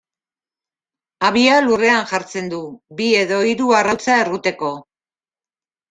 Habia lurrean jartzen du, bi edo hiru arrautza erruteko.